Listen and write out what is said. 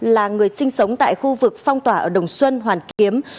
là người sinh sống tại khu vực phong tỏa ở đồng xuân hoàn kiếm